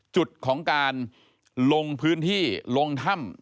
จุดของการลงพื้นที่ลงถ้ำ